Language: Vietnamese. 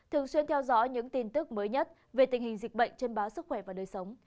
thường xuyên theo dõi những tin tức mới nhất về tình hình dịch bệnh trên báo sức khỏe và đời sống